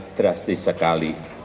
sangat drastis sekali